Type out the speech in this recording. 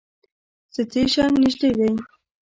سټیشن نژدې دی